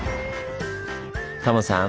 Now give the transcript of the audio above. タモさん